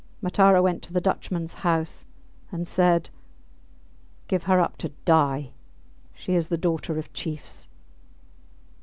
Matara went to the Dutchmans house, and said, Give her up to die she is the daughter of chiefs.